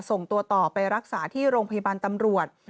ส่งตัวต่อไปรักษาที่โรงพยาบาลตำรวจ